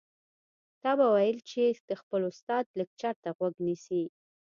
تا به ويل چې د خپل استاد لکچر ته غوږ نیسي.